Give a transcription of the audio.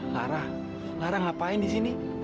marah marah ngapain disini